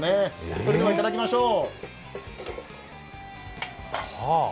それでは頂きましょう。